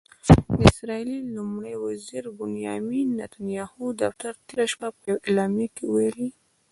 د اسرائیلي لومړي وزیر بنیامن نتنیاهو دفتر تېره شپه په یوه اعلامیه کې ویلي